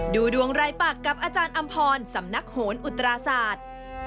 ดูดวงรายปากกับอาจารย์อำพรสำนักโหนอุตราศาสตร์